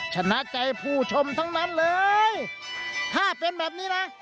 ชนะใจผู้ชมทั้งนั้นเลยถ้าเป็นแบบนี้นะ